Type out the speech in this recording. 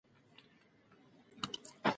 هغه د لمر د زیان په اړه پوهه لري.